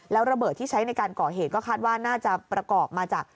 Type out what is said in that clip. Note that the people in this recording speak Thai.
แล้วระเบิดที่ใช้ในการก่อเหตุก็คาดว่าน่าจะประกอบมาจาก